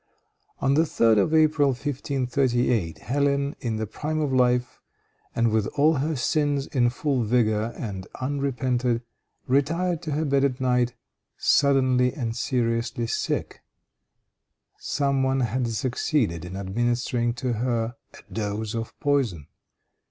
On the 3d of April, 1538, Hélène, in the prime of life, and with all her sins in full vigor and unrepented, retired to her bed at night, suddenly and seriously sick. Some one had succeeded in administering to her a dose of poison.